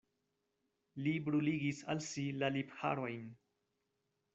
Li bruligis al si la lipharojn.